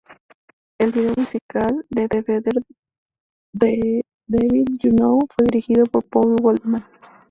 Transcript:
El video musical de "Better the Devil You Know" fue dirigido por Paul Goldman.